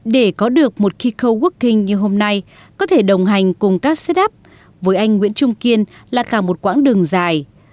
để có được một kiko working như hôm nay có thể đồng hành cùng các setup với anh nguyễn trung kiên là cả một quãng đường dài